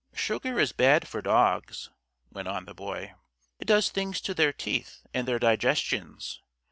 "Sugar is bad for dogs," went on the Boy. "It does things to their teeth and their digestions.